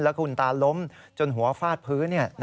คุณตาล้มจนหัวฟาดพื้น